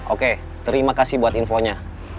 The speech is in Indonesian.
oke terima kasih buat infonya